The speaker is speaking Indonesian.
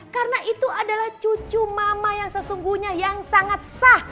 karena itu adalah cucu mama yang sesungguhnya yang sangat sah